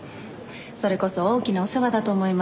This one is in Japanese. それこそ大きなお世話だと思いますけど。